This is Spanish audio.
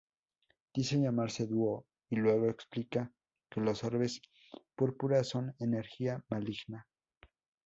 Dice llamarse Duo y luego explica que los orbes púrpura son "energía maligna".